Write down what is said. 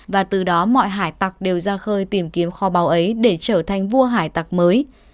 và từ đó mọi hải tặc đều ra khơi tìm kiếm kho báu ấy để trở thành vua hải tạc mới